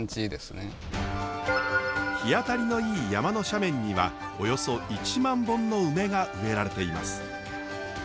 日当たりのいい山の斜面にはおよそ１万本の梅が植えられています。